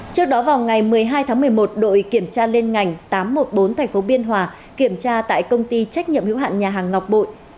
trước đó vào ngày một mươi hai tháng một mươi một đội kiểm tra liên ngành tám trăm một mươi bốn tp biên hòa kiểm tra tại công ty trách nhiệm hữu hạn nhà hàng ngọc bội